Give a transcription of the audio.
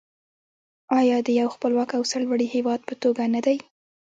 آیا د یو خپلواک او سرلوړي هیواد په توګه نه دی؟